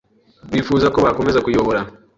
bifuza ko bakomeza kuyobora